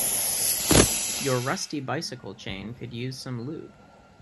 Your rusty bicycle chain could use some lube.